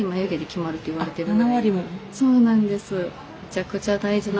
そうなんです。